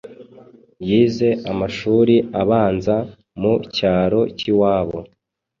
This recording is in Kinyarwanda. Yize amashuri abanza mu cyaro cy’iwabo